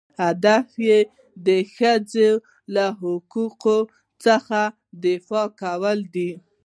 هدف یې د ښځو له حقوقو څخه دفاع کول دي.